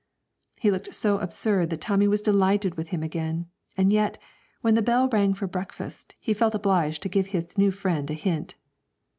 He looked so absurd that Tommy was delighted with him again, and yet, when the bell rang for breakfast, he felt obliged to give his new friend a hint.